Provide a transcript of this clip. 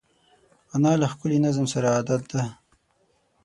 انا له ښکلي نظم سره عادت ده